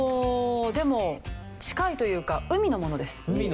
でも近いというか海のものです。